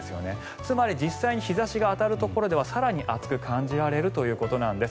つまり、実際に日差しが当たるところでは更に暑く感じられるということなんです。